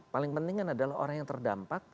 paling penting kan adalah orang yang terdampak